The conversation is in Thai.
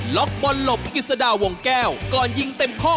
ล็อกบนหลบกิจสดาวงแก้วก่อนยิงเต็มข้อ